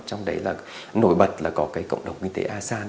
trong đấy là nổi bật là có cái cộng đồng kinh tế asean